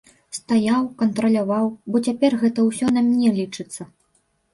Стаяў, кантраляваў, бо цяпер гэта ўсё на мне лічыцца.